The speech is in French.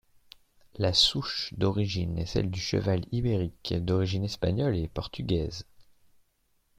La souche d'origine est celle du cheval ibérique d'origine espagnole et portugaise.